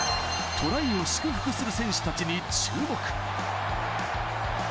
トライを祝福する選手たちに注目！